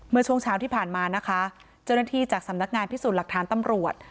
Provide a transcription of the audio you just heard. เมื่อช่วงเช้าที่ผ่านมานะคะเจ้าหน้าที่จากสำนักงานพิสูจน์หลักฐานตำรวจ